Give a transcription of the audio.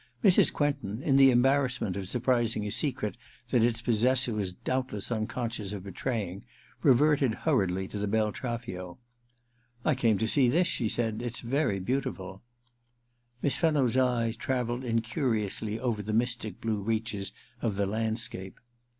Mrs. Quentin, in the embarrassment of surprising a secret that its possessor was doubtless unconscious of betraying, reverted hurriedly to the Beltraffio. • I came to see this,' she said. * It's very beautiful.' Miss Fenno's eye travelled incuriously over in THE QUICKSAND 301 the mystic blue reaches of the landscape.